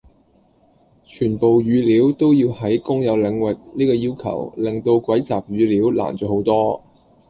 全部語料都要喺公有領域呢個要求令到蒐集語料難咗好多。